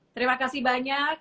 terima kasih banyak